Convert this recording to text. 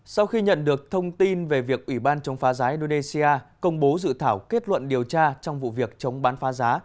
sau khi nhận được thông tin về việc ủy ban chống phá giá indonesia công bố dự thảo kết luận điều tra trong vụ việc chống bán phá giá